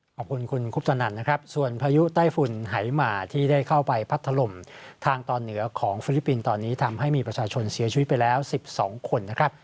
ขอบคุณคุณคุปตนันนะครับส่วนพายุใต้ฝุ่นหายหมาที่ได้เข้าไปพัดถล่มทางตอนเหนือของฟิลิปปินส์ตอนนี้ทำให้มีประชาชนเสียชีวิตไปแล้ว๑๒คนนะครับ